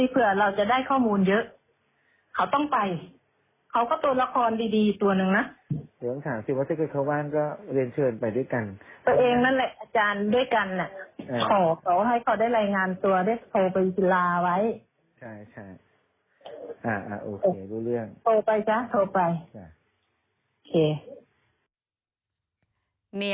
พ่อบอกเขาก่อนสิเผื่อเราจะได้ข้อมูลเยอะ